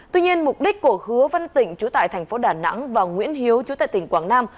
tuy nhiên mục đích của hứa văn tỉnh chú tại thành phố đà nẵng và nguyễn hiếu chú tại tỉnh quảng nam